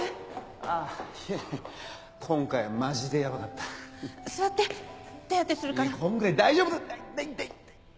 ああ今回はマジでヤバか座って手当てするからこんぐらい大丈夫だ痛い痛い